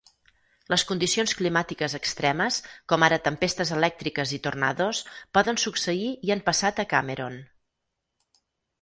Les condicions climàtiques extremes, com ara tempestes elèctriques i tornados, poden succeir i han passat a Cameron.